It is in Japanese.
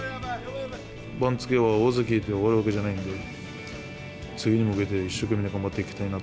番付は大関で終わるわけじゃないんで、次に向けて一生懸命に頑張っていきたいな。